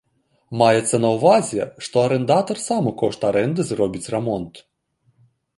Маецца на ўвазе, што арандатар сам у кошт арэнды зробіць рамонт.